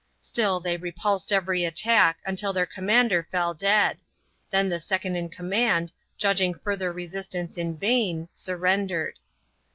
Still they repulsed every attack until their commander fell dead; then the second in command, judging further resistance in vain, surrendered.